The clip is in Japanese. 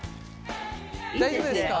大丈夫ですか？